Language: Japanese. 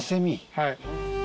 はい。